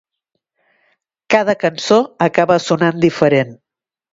Cada cançó acaba sonant diferent.